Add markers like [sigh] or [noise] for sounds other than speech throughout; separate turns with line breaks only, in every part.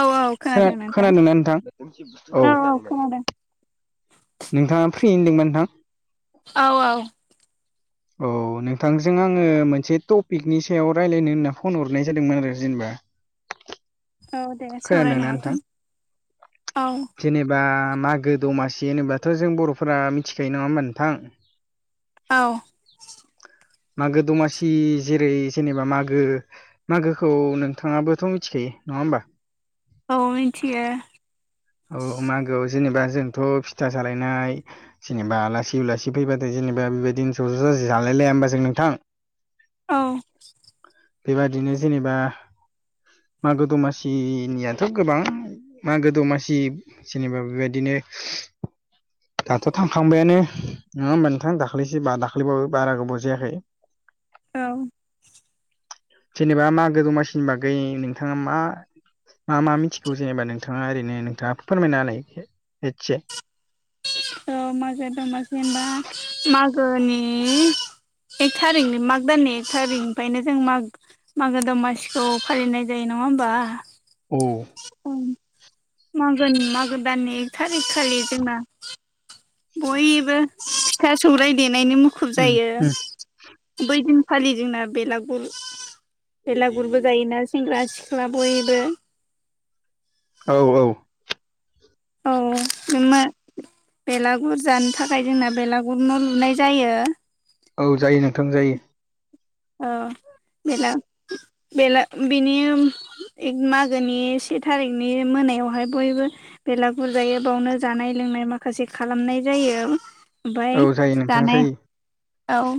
औ
औ
खोनादों नोंथां
खोनादोंना नोंथां औ। नोंथाङा फ्रि होनदोंमोन नोंथां?
औ औ।
औ नोंथांजों आङो मोनसे टपिकनि सायाव राय्लायनो होनना फन हरनाय जादोंमोन आरो जेनेबा।
औ दे
खोनादोंना
सावरायनो
नोंथां
हागोन औ।
जेनेबा मागो दमासि होनोबाथ' जों बर'फोरा मिथिखायो नङा होनबा नोंथां? [inaudible]
औ।
मागो दमासि जेरै जेनेबा मागो मागोखौ नोंथाङाबोथ' मिथिखायो नङा होमबा?
औ मिथियो।
औ मागोआव जेनेबा जोंथ' फिथा सालायनाय। जेनेबा आलासि उलासि फैबाथाय जेनेबा बेबायदिनो ज' ज' जाज जालायलायाया होमबा जों नोंथां?
औ।
बेबादिनो जेनेबा मागो दमासिनियाथ' गोबां मागो दमासि थि जेनेबा बेबायदिनो दाथ' थांखांबायानो नङा होमबा नोंथां दाख्लैसो बा दाखाैबाबो बारा गोबाव जायाखै। [inaudible]
औ।
जेनेबा मागो दमासिनिबा गैया नोंथाङा मा मा मा मिथिगौ जेनेबा नोंथाङा ओरैनो नोंथाङा फोरमायनाालाय एसे।
औ मागो दमासि होनबा मागोनि एक थारिकनि माग दाननि एक थारिकनिफ्रायनो जों माग मागो दमासिखौ फालिनाय जायो नङा होमबा?
औ।
औ मागो मागो दाननि एक थारिख खालि जोंना बयबो फिथा सौरायाइ देनायनि म मुखुब
उम
जायो
उम
बै दिनखालि जोंना बेलागुर बेलागुरबो जायोना सेंग्रा सिख्ला बयबो
औ औ
औ बेलागुर जानो थाखाय जोंना बेलागुरनो लुनाय जायो।
औ जायो नोंथां जायो।
औ बेला बेला बिनिक मागोनि से थारिखनि मोनायावहाय बयबो बेलागुरजायो बेावनो जानाय लोंनाय माखासे खालामनाय जायो।
औ
ओमफ्राय
जायो नोंथां जायो
जानायाव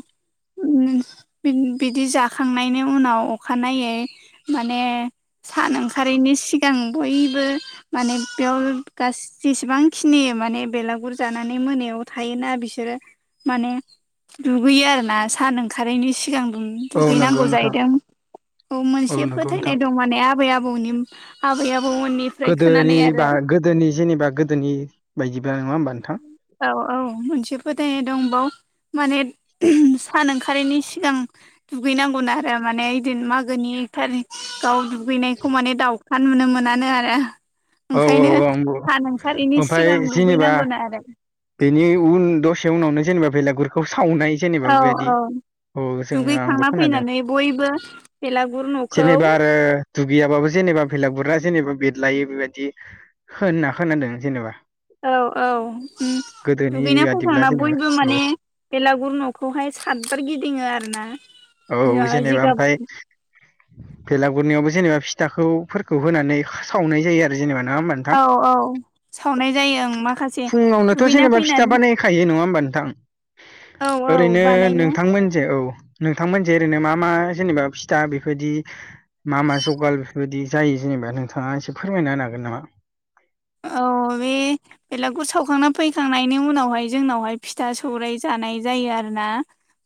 बिदि जाखांनायनि उनाव अखानायै माने सान ओंखारैनायनि सिगां बयबो माने बेयाव गासै जेसेबांखिनि माने बेलागुर जानानै मोनायाव थायोना बिसोरो माने दुगैयो आरो ना सान ओंखारैनायनि सि सिगां
औ नंगौ
दुगैनांगौ
नोंथां
जाहैदों औ मोनसे
नंगौ नोंथां
फोथायनाय दं माने आबै आबौनि आबै आबौनि
गोदोनि बा गोदोनि जेनेबा गोदोनि बायदिब्ला नङा होमबा नोंथां?
औ औ मोनसे फोथायनाय दंबाव माने सान ओंखारनायनि सिगां दुगैनांगौ आरो माने बिदिनो मागोनि एकथार गाव दुगैनायखौ माने दाउखा नुनो मोनानो आरो।
औ औ
ओंखायनो
औ आंबो
हा नोंसोरनि
ओमफ्राय
सिगां
जेनेबा
दुगैनांगौ आरो।
बेनि उन दसे उनावनो जेनेबा बेलागुरखौ सावनाय जेनेबा
औ
बेबायदि
औ
औ जोो आंबो
दुगैखांना
खोनादों
फैनानै बयबो बेलागुर न'खौ
जेनेबा आरो दुगैयाबाबो जेनेबा बेलाग गुरा जेनेबा बेरलायो बेबायदि होनना खोनादों जेनेबा
औ औ
गोदोनि
दुगैनो
बादिब्ला
फैखांना बयबो
जेनेबा औ
माने बेलागुर न'खौहाय सतबार गिदिङो आरो ना।
औ जेनेबा ओमफफ्राय बेलागुरनायावबो जेनेबा फिथाखौफोरखौ होनानै सावनाय जायो आरो जेनेबा नङा होनबा नो
औ औ सावनाय जायो आं माखासे दुगैना फैनानै
खायो नङा होमबा नोंथां
औ औ
ओरैनो
बानायो
नोंथांमोन जे औ नोंथांमोनजोंे ओरैनो मा मा जेनेबा फिथा बेफोरबायदि मा मा जगाल बेफोरबायदि जायो जेनेबा नोंथाङा एसे फोरमायना होन हागोन नामा?
औ बे बेलागुर सावखांना फैखांनायनि उनावहाय जोंनावहाय फिथा सौराइ जानाय जायो आरो ना।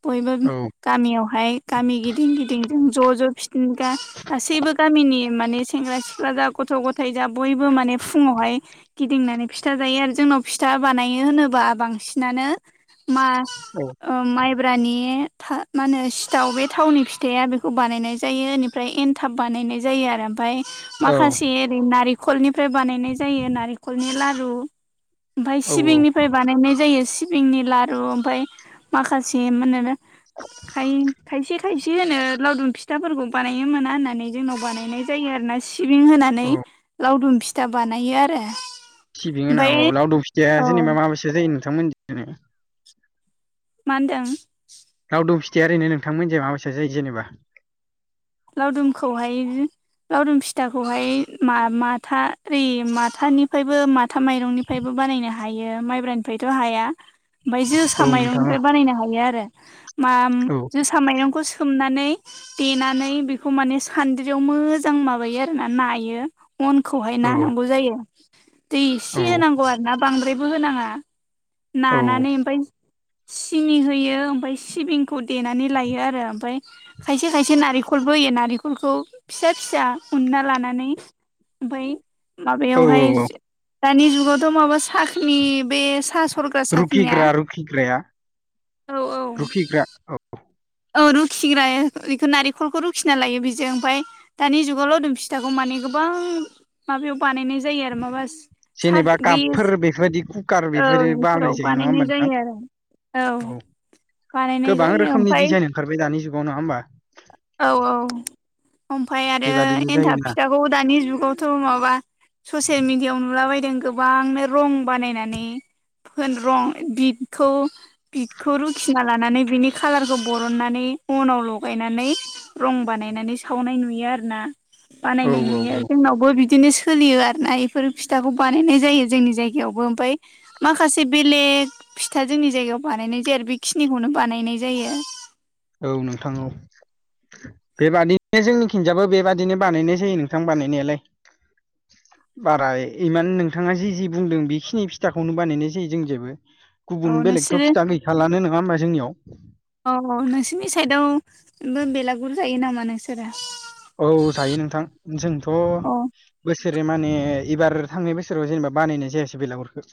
बयबो
औ
गामियावहाय गामि गिदिं गिदिंजों ज' ज' फिनिकआ गासैबो गामिनि माने सेंग्रा सिख्ला जा गथ' गथाय जा बयबो माने फुङावहाय गिदिंनानै फिथा जायो आरो जोंनाव फिथा बानायो होनोबा बांसिनानो मास
औ
ओ माइब्रानि था मानो सिथाव बे थावनि फिथाइया बेखौ बानायनाय जायो इनि फ्राय एनथाब बानायनाय जायो आरो ओमफाय
औ
माखासे ओरै नारिखलनिफ्राय बानायनाय जायो नारिखलनि लारु। ओमफाय
औ
सिबिंनिफाय बानायनाय जायो सिबिंनि लारु ओमफाय माखासे मानोनो
[inaudible]
हाय खायसे खायसे होनो लावदुम फिथाफोरखौ बानायो मोना होननानै जोंनाव बानायनाय जायो आरो ना सि सिबिं होनानै
औ
लावदुम फिथा बानायो आरो।
सिबिं होना
ओमफ्राय
हौ लावदुम फिथिया
औ
जेनेबा माबायसा जायो नोंथां मोननिथिंना?
मानदों?
लावदुम फिथाया ओरैनो नोंथांमोनजे मा बायसा जायो जेनबा?
लावदुमखौहाय लावदुम फिथाखौहाय मा माथा रि माथानिफायबो माथा माइरंनि फ्रायबो बानायनो हायो माइब्रानिफायथ' हाया। ओमफाय जोसा
औ नोंथां
माइरंनिफ्राय बानायनो हायो आरो माम
औ
जोसा माइरंखौ सोमनानै देनानै बिखौ माने सान्द्रियाव मोजां माबायो आरो ना नायो। अनखौहाय
औ
नाानांगौ जायो। दै एसे होनांगौ आरो ना बांद्रायबो होनाङा।
औ
नानानै ओमफाय सिनि होयो ओमफाय सिबिंखौ देनानै लायो आरो ओमफाय खायसे खायसे नारिख खलबोयो नारिखलखौ फिसा फिसा उनना लानानै ओमफाय
औ
माबायावहाय
औ
जे दानि जुगावथ' माबा साखनि बे सा सर ग्रा साखनिया
रुखिग्रा रुखिग्राया
औ औ
[unintelligible]
औ रुखिग्राय बेखो नारेंखलखौ रुखिना लायो बेजों ओमफाय दानि जुगाव लावदुम फिथाखौ माने गोबां माबायाव बानायनाय जायो आरो माबास सा
जेनेबा
बैयोस
कापफोर बेफोरबायदि कुकार
औ
बेफोरो बानाय
बिफोराव
जायो नङा होमबा
बानायनाय
नोंथां
जायो आरो औ। बानायनाय जायो ओमफाय
खारबाय दानि जुगाव नङा होमबा?
औ औ ओमफाय आरो
बेबादिनो
एन्थाब
जायोना
फिथा खौबो दानि जुगावथ' माबा ससे मिडिआव नुलाबायदों गोबांनो रं बानायनानै फोन रं बिदखौ बिदखौ रुखिना लानानै बिनि खालारखौ बरननानै अनाव ल गायनानै रं बानायनानै सावनाय नुयो आरो ना
औ
बानायनाय
औ
नुयो। जोंनावबो बिद दिनो सोलियो आरना इफोर फिथाखौ बानायनाय जायो जोंनि जायगायावबो। ओमफाय माखासे बेलेग फिथा जोंनि जायगायाव बानायनाय जायार बे खिनिखौनो बानायनाय जायो।
औ नोंथां औ। बेबादिनो जोंनि खिनजायबो बेबादिनो बानायनाय जायो नोंथां बानायनायालाय। [inaudible] बारा इमान नोंथाङा जि जि बुंदों बिखिनि फिथाखौनो बानायनाय जायो जोंनि जायबो। गुबुन
औ
बेलेगथ'
नोंसोरो
फिथा गैखालानो नोङा होमबा जोंनियाव।
औ नोंसिनि साइदआवबो बेलागुर जायो नामा नोंसोरो?
औ जायो नोंथां। जोंथ'
अ
बोसोरे माने इबार थांनाय बोसोराव जेनेबा बानायनाय जायासै बेलागुरखो।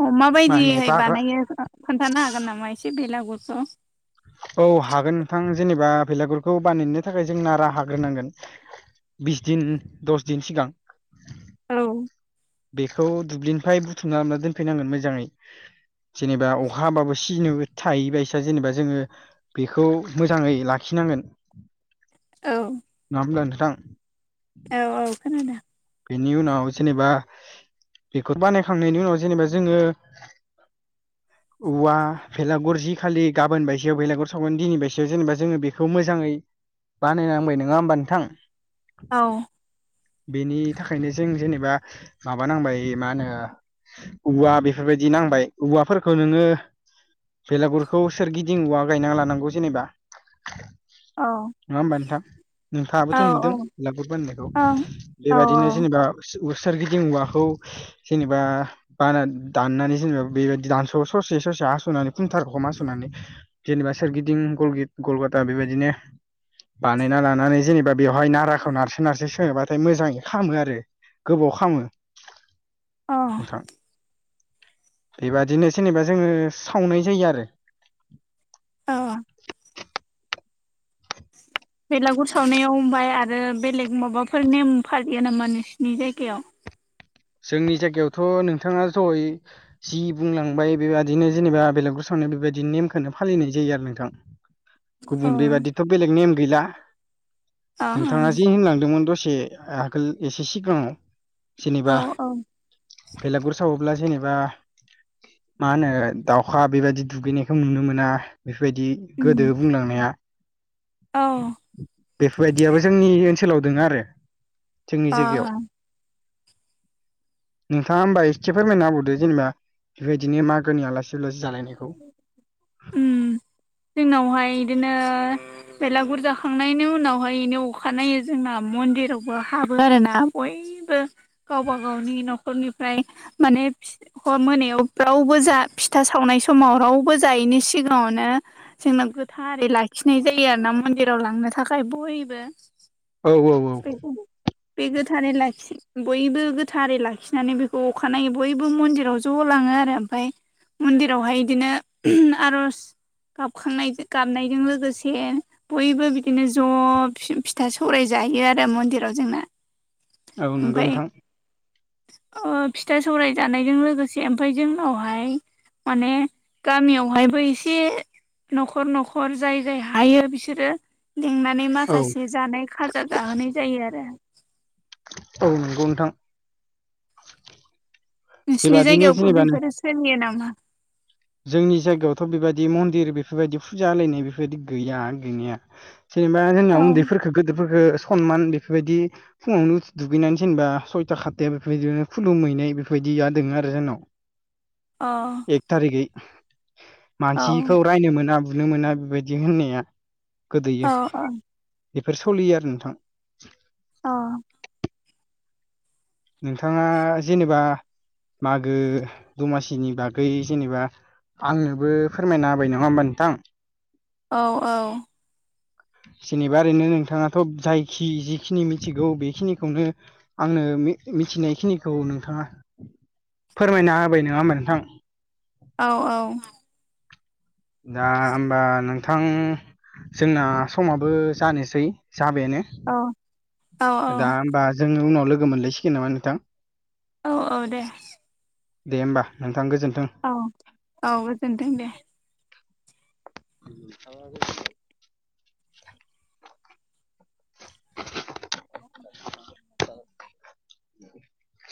अ मा बायदिहाय बानायो ओ खोन्थानो हागोन नामा एसे बेलागुरखौ।
औ हागोन नोंथां। जेनेबा बेलागुरखौ बानायनो थाखाय जों नारा हाग्रोनांगोन। बिस दिन दस दिन सिगां
औ
बेखौ दुब्लिनिफाय बुथुमना लाबना दोनफैनांगोन मोजाङै। जेनेबा अखा हाबाबो सिनो थाहै बायसा जेनेबा जोङो बेखौ मोजाङै लाखिनांगोन।
औ
नोङा होमब्ला नोंथां?
औ औ खोनादों।
बिनि उनाव जेनेबा बेखौ बानायखांनायनि उनाव जेनेबा जोङो [inaudible] औवा भेलागुर जि खालि गाबोन बायसायाव भलागुर सावगोन दिनै बायसायाव जेनेबा जोङो बेखौ मोजाङै बानायनांबाय नोङा होमबा नोंथां?
औ
बेनि थाखायनो जों जेनेबा माबा नांबाय मानो औवा बेफोरबायदि नांबाय औवाफोरखौ नोङो बेलागुरखौ सोरगिदिं उवा गायना लानांगौ जेनेबा।
औ
नङा होमबा नोंथां?
औ
नोंथाङाबोथ'
औ
नुदों लागुर बानायनायखौ
औ
बेबादिनो दा उ सोरगिदिं उवाखौ जेनेबा बाना दाननानै जेनेबा बेबादि दानस' ससे ससे आस'नानै [unintelligible] मा सुनानै जेनेबा सोरगिदिं गलगेट गलगाता बेबायदिनो बानायना लानानै जेनेबा बेवहाय नाराखौ नारसो नारसो सोबाथाय मोजाङै खालामामो आरो गोबाव खालामो।
औ
नोंथां बेबादिनो जेनेबा जोङो सावनाय जायो आरो।
ओ
[inaudible]
बेलागुर सावनायाव ओमफाय आरो बेलेग माबाफोर नेम फारिलिया नामा नोंसिनि जायगाया?
जोंनि जायगायावथ' नोंथाङा जयै जि बुंलांबाय बेबायदिनो जेनेबा बेलगुर सावना बेबायदि नेमखौनो फालिनाय जायो आरो नोंथां। [inaudible]
औ
गुबुन बेबादिथ' बेलेग नेम गैला।
औ
नोंथाङा जि होनलांदोंमोन दसे आगोल एसे सिगाङाव जेनेबा
ओं
भेलागुर सावोब्ला जेनेबा मा होनो दाउखा बेबायदि दुगैनायखौ नुनो मोना बेफोबायदि गोदो बुंलांनाया
औ
बेफोबायदियाबो जोंनि ओनसोलाव दोङो आरो
औ
जोंनि जायगायाव।
अ
नोंथाङा होमबा एसे फोरमायना होबावदो जेनेबा बेबायदिनो मागोनि आलासि उलासि जालायनायखौ। [inaudible]
उम जोंनावहाय इदिनो बेलागुर जाखांनायनि उनावहायनो अखानायो जोंना मन्दिरावबो हाबो आरो ना बय इसिबो गावबा गावनि न'खरनिफ्राय माने फि हर मोनायाव रावबो जा फिथा सावनाय समाव रावबो जायैनि सिगाङावनो जोंना गोथारै लाखिनाय जायो आरो ना मन्दिराव लांनो थाखाय बयबो।
औ औ औ।
औ औ। बे गोथारै लाखि बयबो गोथारै लाखिनानै बेखौ अखानायै बयबो मन्दिराव ज ज' लाङो आरो ओमफ्राय मन्दिरावहाय बिदिनो आरज गाबखांनाय गाबनायजों लोगोसे बयबो बिदिनो ज' फिथा सौराय जायो आरो मन्दिराव जोंना
औ नंगौ
ओमफ्राय
नोंथां
फिथा सौराय जानायजों लोगोसे ओमफ्राय जोंनावहाय माने गामियावहायबो एसे न'खर न'खर जाय जाय हायो बिसोरो लिंनानै
औ
माखासे जानाय खाजा जाहोनाय जायो आरो
औ नंगौ नोंथां
नोंसिनि
बेबादिनो
जायगायावबो
जेनेबा
बेफोरो सोलियो नामा
जोंनि जायगायावथ' बेबायदि मन्दिर बेफोरबायदि फुजा होलायनाय बेफोरबायदि गैया गैनाया जेनेबा
अ औ
जोंनियाव उन्दैफोरफोरखौ गोदोरफोरखौ सनमान बेफोरबायदि फुङावनो दुगैनानै जेनबा सयथा खाथताया बेफोरबायदिनो खुलुमहैनाय बेफोरबायदिया दङ आरो जोंनाव [inaudible]
अ
एक थारिखै मानसिखौ रायनो मोना बुनो मोना बेबायदि होननाया
औ
गोदैयो बेफोर सोलियो आरो नोंथां
अ
नोंथाङा जेनेबा मागो दमासिनि बागै जेनेबा आंनोबो फोरमायना होबाय नङा होमबा नोंथां
औ औ
जेनेबा ओरैनो नोंथाङाथ' जायखि जिखिनि मिथिगौ बेखिनिखौनो आंनो मिथिनायखिनिखौ नोंथाङा फोरमायना होबाय नङा होमबा नोंथां
औ औ
दा होमबा नोंथां जोंना समाबो जानोसै जाबायानो
औ
दा होमबा जों उनाव लोगो मोनलायसिगोन नामा नोंथां
औ औ दे
दे होमबा नोंथां गोजोन्थों
औ औ गोजोनथों दे
[unintelligible] औ